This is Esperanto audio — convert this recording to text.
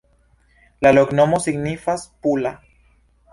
La loknomo signifas: pula.